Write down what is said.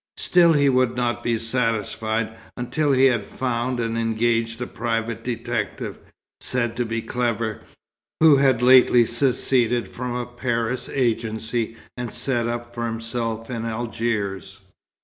Still he would not be satisfied, until he had found and engaged a private detective, said to be clever, who had lately seceded from a Paris agency and set up for himself in Algiers.